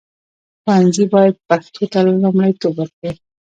ښوونځي باید پښتو ته لومړیتوب ورکړي.